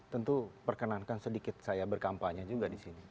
tentu perkenankan sedikit saya berkampanye juga di sini